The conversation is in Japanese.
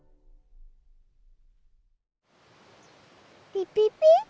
ピピピ。